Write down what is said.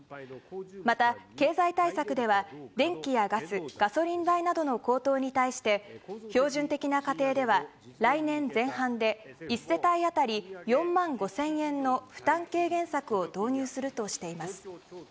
また、経済対策では、電気やガス、ガソリン代などの高騰に対して、標準的な家庭では、来年前半で１世帯当たり４万５０００円の負担軽減策を導入するとしています。